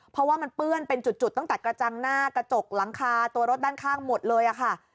เพราะว่ามันเปื้อนเป็นจุดตั้งแต่กระจังหน้ากระจกหลังคาตัวรถด้านข้างหมดเลยค่ะ